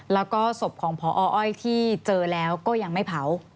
แล้วก็ศพของพออ้อยที่เจอแล้วก็ยังไม่เผา